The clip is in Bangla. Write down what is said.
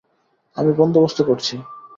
আমি বন্দোবস্ত করছি।